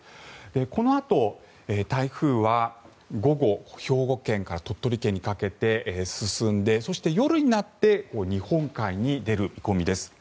このあと台風は午後兵庫県から鳥取県にかけて進んでそして夜になって日本海に出る見込みです。